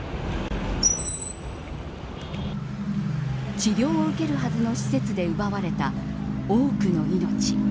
治療を受けるはずの施設で奪われた多くの命。